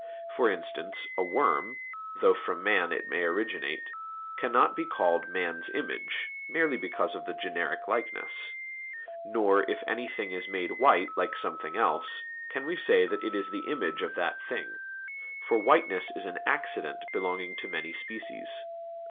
For instance, a worm, though from man it may originate, cannot be called man's image, merely because of the generic likeness. Nor, if anything is made white like something else, can we say that it is the image of that thing; for whiteness is an accident belonging to many species.